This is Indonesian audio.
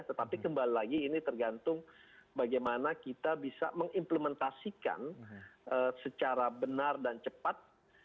tetapi kembali lagi ini tergantung bagaimana kita bisa mengimplementasikan secara benar dan cepat